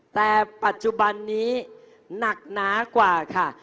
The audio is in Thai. แต่ปัจจุบันนี้หนักหนากว่าค่ะ